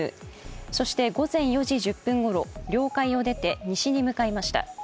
そして、午前４時１０分ごろ領海を出て西に向かいました。